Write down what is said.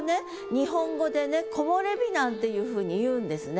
日本語でねなんていうふうに言うんですね